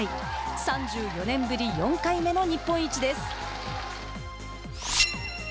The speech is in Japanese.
３４年ぶり４回目の日本一です。